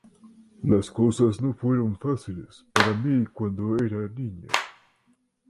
Las cosas no fueron fáciles para mí cuando era niña.